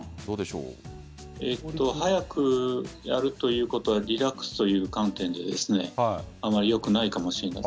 早くやるということはリラックスという観点ではあまりよくないかもしれません。